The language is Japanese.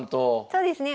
そうですね